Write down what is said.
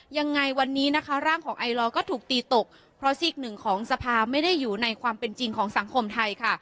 ยังไงวันนี้นะคะร่างของไอลอร์ก็ถูกตีตกเพราะซีกหนึ่งของสภาไม่ได้อยู่ในความเป็นจริงของสังคมไทยค่ะ